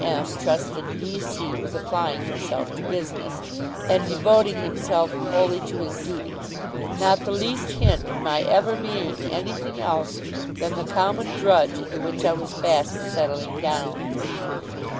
M. trusted D. C. was applying himself to business, and devoting himself wholly to his duties not the least hint of my ever being anything else than the common drudge into which I was fast settling down.